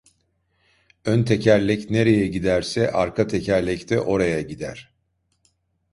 Ön tekerlek nereye giderse arka tekerlek de oraya gider.